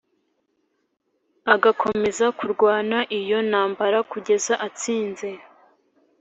agakomeza kurwana iyo ntambara kugeza atsinze